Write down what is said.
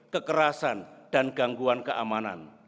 kekerasan dan gangguan keamanan